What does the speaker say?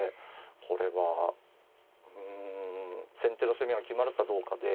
これはうん先手の攻めが決まるかどうかで。